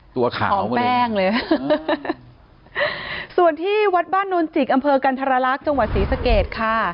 ตัวขาวแป้งเลยส่วนที่วัดบ้านนวลจิกอำเภอกันธรรลักษณ์จังหวัดศรีสะเกดค่ะ